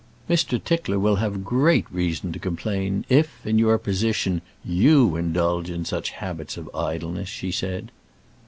"Mr. Tickler will have great reason to complain if, in your position, you indulge such habits of idleness," she said.